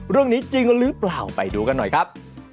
เรื่องนี้จริงหรือเปล่าไปดูกันหน่อยครับ